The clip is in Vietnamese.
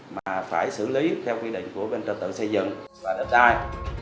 mà phải xử lý theo quy định của bên trò tự xây dựng và đợt đai